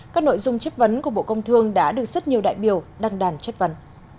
các nội dung chất vấn của bộ công thương đã được rất nhiều đại biểu đăng đàn chất vấn